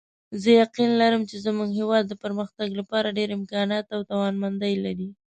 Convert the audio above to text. زه یقین لرم چې زموږ هیواد د پرمختګ لپاره ډېر امکانات او توانمندۍ لري